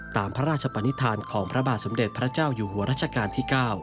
ตามพระราชปนิษฐานของพระบาทสมเด็จพระเจ้าอยู่หัวรัชกาลที่๙